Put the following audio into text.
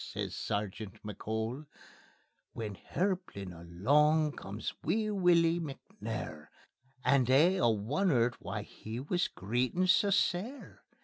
says Sergeant McCole. When hirplin alang comes wee Wullie McNair, And they a' wonnert why he wis greetin' sae sair.